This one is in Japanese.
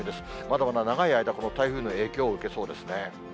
まだまだ長い間、この台風の影響を受けそうですね。